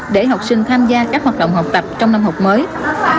để học sinh tham gia các hoạt động học tập trong năm học mới